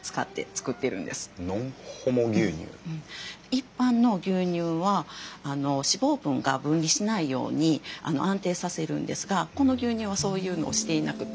一般の牛乳は脂肪分が分離しないように安定させるんですがこの牛乳はそういうのをしていなくて。